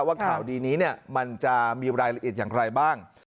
ว่าข่าวดีนี้มันจะมีรายละเอียดอย่างไรบ้าง